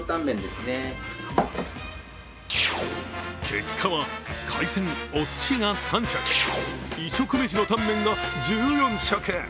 結果は、海鮮・おすしが３食、異色メシのタンメンが１４食。